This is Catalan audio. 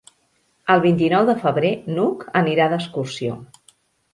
El vint-i-nou de febrer n'Hug anirà d'excursió.